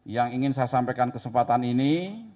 yang ingin saya sampaikan kesempatan ini